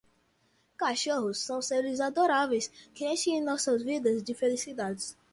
Cachorros são seres adoráveis que enchem nossas vidas de felicidade.